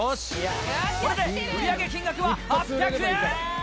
これで売り上げ金額は８００円。